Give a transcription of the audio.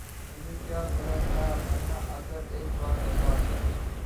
مجھے کیا برا تھا مرنا اگر ایک بار ہوتا